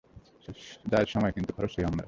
যায় সময় কিন্তু খরচ হই আমরা।